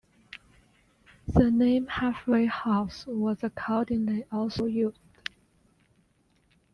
The name "Halfway House" was accordingly also used.